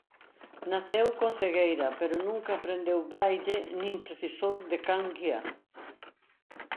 Naceu con cegueira pero nunca aprendeu Braille nin precisou de can guía.